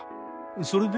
それで？